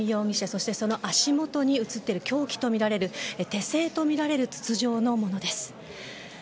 そしてその足元に映っている凶器とみられる、手製とみられる筒状のものです。